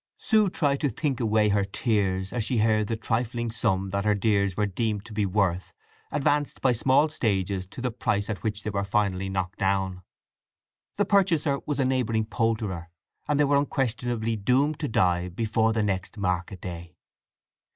Sue tried to think away her tears as she heard the trifling sum that her dears were deemed to be worth advanced by small stages to the price at which they were finally knocked down. The purchaser was a neighbouring poulterer, and they were unquestionably doomed to die before the next market day.